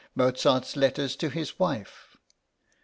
Mozart's letters to his wife.